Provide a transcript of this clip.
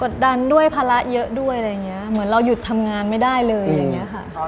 ดันด้วยภาระเยอะด้วยอะไรอย่างเงี้ยเหมือนเราหยุดทำงานไม่ได้เลยอย่างนี้ค่ะ